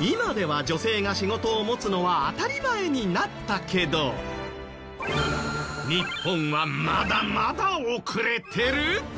今では女性が仕事を持つのは当たり前になったけど日本はまだまだ遅れてる！？